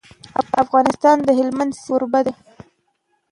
افغانستان د هلمند سیند کوربه دی.